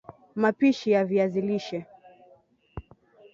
Mapishi ya viazi lishe